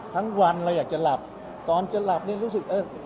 วันเราอยากจะหลับตอนจะหลับนี่รู้สึกเออ